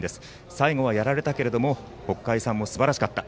最後はやられたけれども北海さんもすばらしかった。